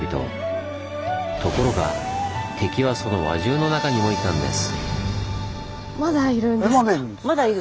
ところが敵はその輪中の中にもいたんです。